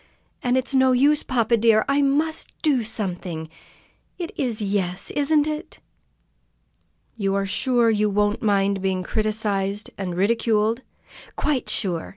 And it's no use, papa dear! I must do something! It is 'yes,' isn't it?" "You are sure you won't mind being criticised and ridiculed?" "Quite sure!"